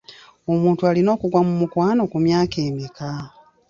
Omuntu alina okugwa mu mukwano ku myaka emeka?